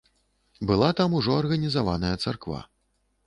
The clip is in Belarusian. Была там ужо арганізаваная царква.